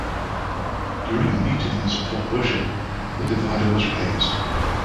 During Meetings for Worship, the divider was raised.